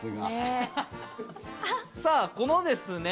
さあ、このですね